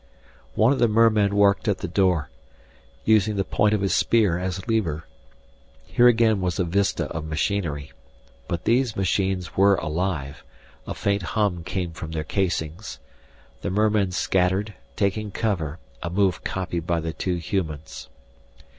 One of the mermen worked at the door, using the point of his spear as a lever. Here again was a vista of machinery. But these machines were alive; a faint hum came from their casings. The mermen scattered, taking cover, a move copied by the two humans.